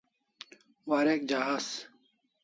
Warek jahaz